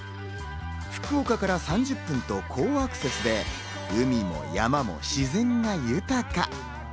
福岡市から３０分と好アクセスで海も山も自然が豊か。